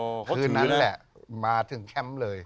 ครับครับคืนนั้นแหละมาทิ้งแคมป์เลย